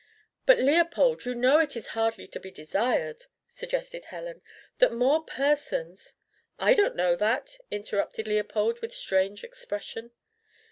"But, Leopold, you know it is hardly to be desired," suggested Helen, "that more persons " "I don't know that," interrupted Leopold with strange expression.